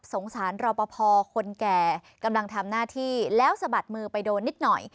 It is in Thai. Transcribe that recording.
สารรอปภคนแก่กำลังทำหน้าที่แล้วสะบัดมือไปโดนนิดหน่อย